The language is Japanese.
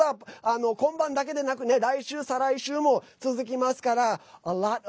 Ｈｅａｄｓｕｐ．今晩だけでなく来週、再来週も続きますから。